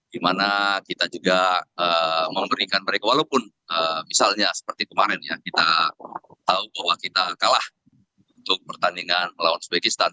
dimana kita juga memberikan mereka walaupun misalnya seperti kemarin ya kita tahu bahwa kita kalah untuk pertandingan melawan uzbekistan